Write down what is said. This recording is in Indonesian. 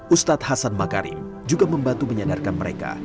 ustadz hasan makarim juga membantu menyadarkan mereka